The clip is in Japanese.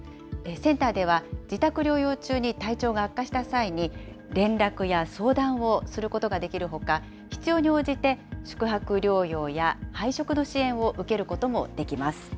センターでは、自宅療養中に体調が悪化した際に、連絡や相談をすることができるほか、必要に応じて宿泊療養や配食の支援を受けることもできます。